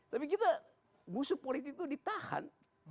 tapi kita musuh politik itu ditahan